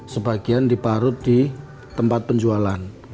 sebagian diparut di tempat penjualan